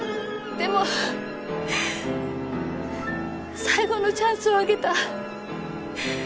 でも最後のチャンスをあげた。